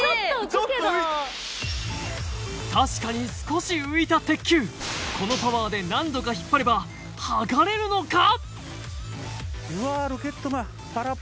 ちょっと浮くけど確かに少し浮いた鉄球このパワーで何度か引っ張れば剥がれるのか？